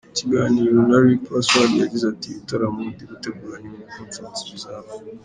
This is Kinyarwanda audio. Mu kiganiro na Rick Password yagize ati, Ibitaramo ndigutegura ni Mini concert bizaba.